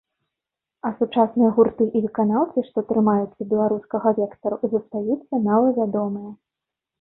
А сучасныя гурты і выканаўцы, што трымаюцца беларускага вектару, застаюцца малавядомыя.